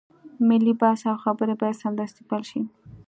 ملي بحث او خبرې بايد سمدستي پيل شي.